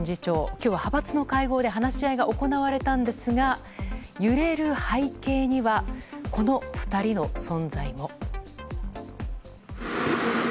今日は派閥の会合で話し合いが行われたんですが揺れる背景にはこの２人の存在も。